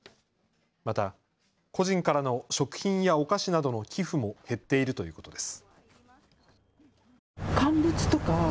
また個人からの食品やお菓子などの寄付も減っているということです。